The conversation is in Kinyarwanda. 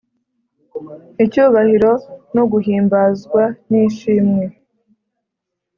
icyubahiro no guhimbazwa n’ishimwe,